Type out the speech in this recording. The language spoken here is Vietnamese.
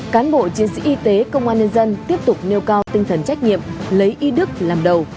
cán bộ chiến sĩ y tế công an nhân dân tiếp tục nêu cao tinh thần trách nhiệm lấy y đức làm đầu